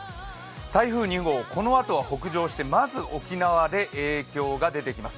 台風２号、このあとは北上してまず沖縄で影響が出てきます。